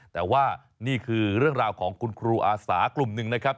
แต่ว่านี่คือเรื่องราวของคุณครูอาสากลุ่มหนึ่งนะครับ